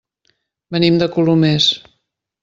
Venim de Colomers.